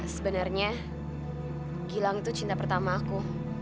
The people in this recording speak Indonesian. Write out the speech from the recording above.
sebenarnya gilang itu cinta pertama aku